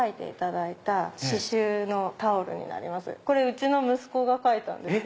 うちの息子が描いたんです。